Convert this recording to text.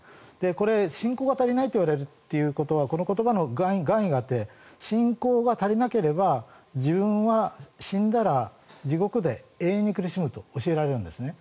これ、信仰が足りないと言われるということはこの言葉の含意があって信仰が足りなければ自分は死んだら地獄で永遠に苦しむと教えられるんですね。